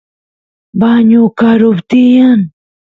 bañu karup tiyan